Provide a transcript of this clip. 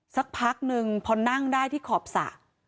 สักพักนึงพอนั่งได้ที่ขอบสระ